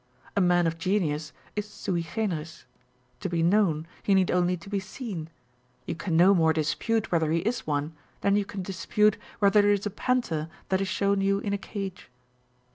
A man of genius is sui generis â€" to be known, he need only to be seen â€" you can no more dispute whether he is one, than you can dispute whether it is a panther that is shown you in a cage.